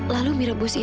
lalu amira busuknya